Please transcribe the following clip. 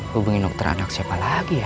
hubungin dokter anak siapa lagi ya